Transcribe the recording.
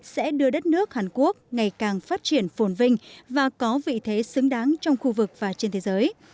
sẽ đưa đất nước hàn quốc ngày càng phát triển phồn vinh và có vị thế xứng đáng trong khu vực và trên thế giới